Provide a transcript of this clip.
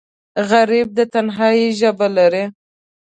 غریب د تنهایۍ ژبه لري